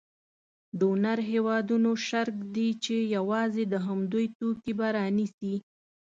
ډونر هېوادونه شرط ږدي چې یوازې د همدوی توکي به رانیسي.